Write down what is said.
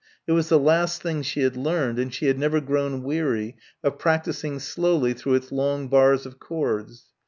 It was the last thing she had learned, and she had never grown weary of practising slowly through its long bars of chords.